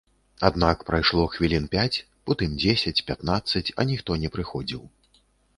Аднак прайшло хвілін пяць, потым дзесяць, пятнаццаць, а ніхто не прыходзіў.